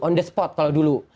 on the spot kalau dulu